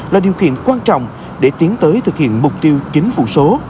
là điều kiện quan trọng để tiến tới thực hiện mục tiêu chính phủ số